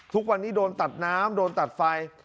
ทุกวันนี้โดนตัดน้ำโดนตัดไฟ